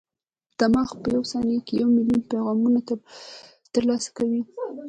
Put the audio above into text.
دماغ په یوه ثانیه کې یو ملیون پیغامونه ترلاسه کوي.